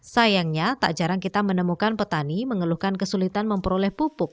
sayangnya tak jarang kita menemukan petani mengeluhkan kesulitan memperoleh pupuk